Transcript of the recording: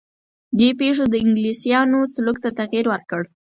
دې پېښو د انګلیسیانو سلوک ته تغییر ورکړ.